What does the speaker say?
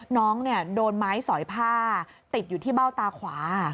น้องโดนไม้สอยผ้าติดอยู่ที่เบ้าตาขวา